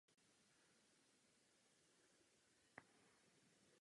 Každý centimetr chrámu je pokryt sochou.